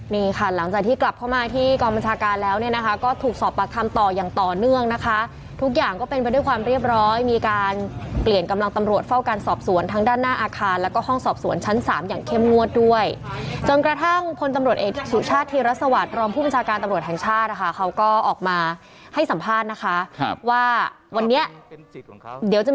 นี่ค่ะหลังจากที่กลับเข้ามาที่กรรมบัญชาการแล้วเนี่ยนะคะก็ถูกสอบปรักษณ์ต่ออย่างต่อเนื่องนะคะทุกอย่างก็เป็นไปด้วยความเรียบร้อยมีการเปลี่ยนกำลังตำรวจเฝ้าการสอบสวนทั้งด้านหน้าอาคารแล้วก็ห้องสอบสวนชั้นสามอย่างเข้มงวดด้วยจนกระทั่งคนตำรวจเอกสุชาติธีรัสสวรรค์รอมผู้บัญชาการตำรวจ